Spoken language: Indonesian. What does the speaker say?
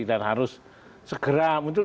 dan harus segera muncul